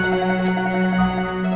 baik baik disana ya